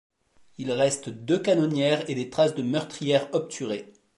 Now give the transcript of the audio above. Il reste deux canonnières et des traces de meurtrières obturées.